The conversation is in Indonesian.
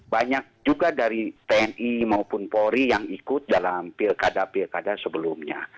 banyak juga dari tni maupun polri yang ikut dalam pilkada pilkada sebelumnya